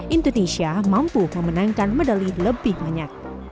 indonesia mampu memenangkan medali lebih banyak